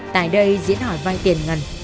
tại đây diễn hỏi vai tiền ngân